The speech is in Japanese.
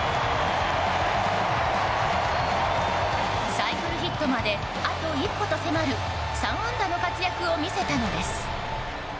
サイクルヒットまであと一歩と迫る３安打の活躍を見せたのです。